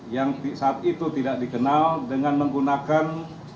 yang saat itu tidak dikenal dengan menggunakan